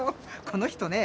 この人ね